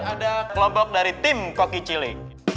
ada kelompok dari tim koki cili